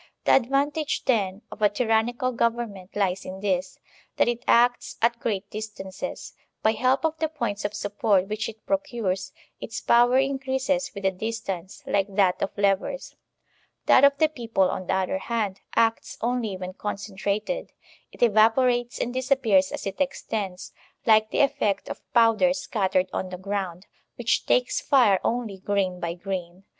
The advantage, then, of a tyrannical government lies in this, that it acts at great distances. By help of the points of support which it procures, its power increases with the distance, like that of levers. ♦ That of the people, on the other hand, acts only when concentrated; it evai>orates and disappears as it extends, like the effect of powder scattered on the ground, which takes fire only grain by grain.